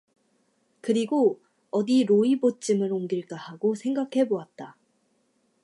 그리고 어디 로이 봇짐을 옮길까 하고 생각해 보았다.